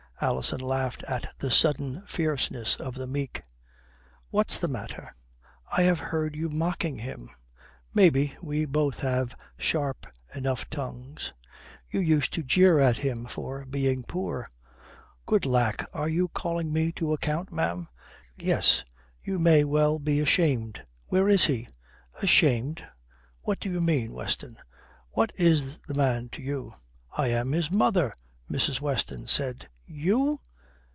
Alison laughed at the sudden fierceness of the meek. "What's the matter?" "I have heard you mocking him." "Maybe. We both have sharp enough tongues." "You used to jeer at him for being poor." "Good lack, are you calling me to account, ma'am?" "Yes, you may well be ashamed! Where is he?" "Ashamed? What do you mean, Weston? What is the man to you?" "I am his mother," Mrs. Weston said. "You!...